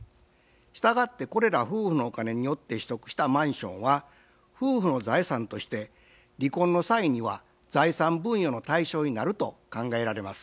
したがってこれら夫婦のお金によって取得したマンションは夫婦の財産として離婚の際には財産分与の対象になると考えられます。